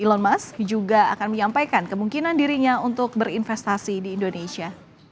elon musk juga akan menyampaikan kemungkinan dirinya untuk berinvestasi di indonesia